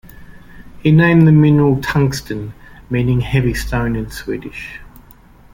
He named the mineral tungsten, meaning heavy stone in Swedish.